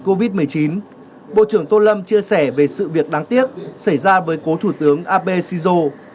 covid một mươi chín bộ trưởng tô lâm chia sẻ về sự việc đáng tiếc xảy ra với cố thủ tướng abe shinzo